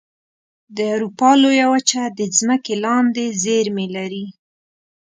د اروپا لویه وچه د ځمکې لاندې زیرمې لري.